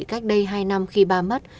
cách đây hai năm khi ba mất